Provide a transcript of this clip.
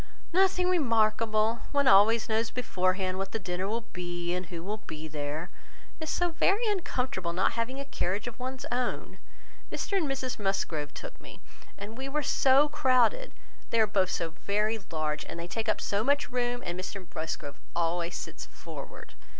"Nothing remarkable. One always knows beforehand what the dinner will be, and who will be there; and it is so very uncomfortable not having a carriage of one's own. Mr and Mrs Musgrove took me, and we were so crowded! They are both so very large, and take up so much room; and Mr Musgrove always sits forward.